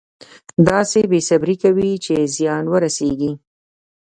داسې بې صبري کوي چې زیان ورسېږي.